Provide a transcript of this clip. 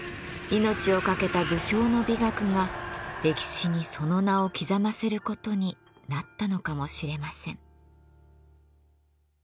命を懸けた武将の美学が歴史にその名を刻ませる事になったのかもしれません。